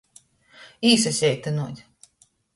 Īsaseitynuot.